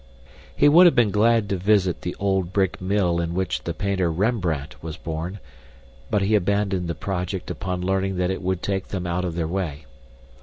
He would have been glad to visit the old brick mill in which the painter Rembrandt was born, but he abandoned the project upon learning that it would take them out of their way.